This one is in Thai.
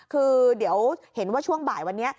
คือเดี๋ยวเห็นว่าช่วงบ่ายวันนี้